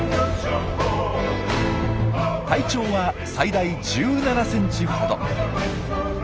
体長は最大１７ｃｍほど。